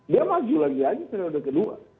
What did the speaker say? dia maju lagi aja periode kedua